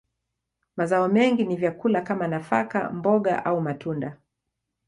Mazao mengi ni vyakula kama nafaka, mboga, au matunda.